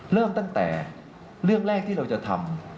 เริ่มตั้งแต่เรื่องแรกที่เราจะทำ